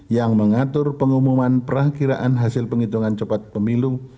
yang mengatur pengumuman perakiraan hasil penghitungan cepat pemilu